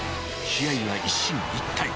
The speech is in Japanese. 試合は一進一退。